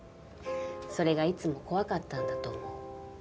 それがいつも怖かったんだと思う。